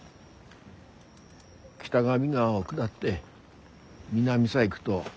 北上川を下って南さ行ぐど